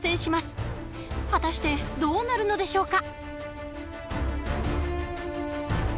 果たしてどうなるのでしょうか？